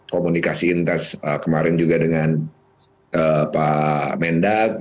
komunikasi intens kemarin juga dengan pak mendak